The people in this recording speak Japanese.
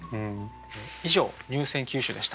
以上入選九首でした。